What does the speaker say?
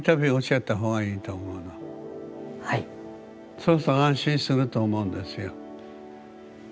そうすると安心すると思うんですよ。